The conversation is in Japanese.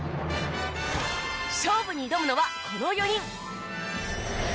勝負に挑むのはこの４人！